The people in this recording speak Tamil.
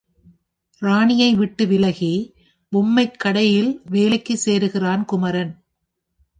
ராணியைவிட்டு விலகி, பொம்மைக் கடையில் வேலைக்குச் சேருகிறான் குமரன்.